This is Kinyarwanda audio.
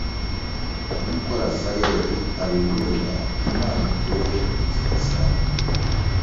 nkuko Raphael abiburira: "Imana ikure inzira zayo